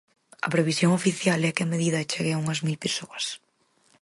A previsión oficial é que a medida chegue a unhas mil persoas.